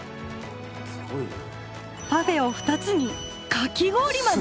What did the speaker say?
パフェを２つにかき氷まで！？